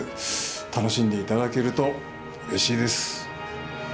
楽しんでいただけるとうれしいです。